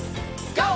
ＧＯ！